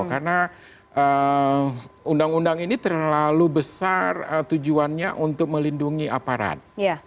karena undang undang ini terlalu besar tujuannya untuk melindungi aparat